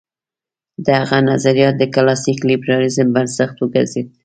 د هغه نظریات د کلاسیک لېبرالېزم بنسټ وګرځېد.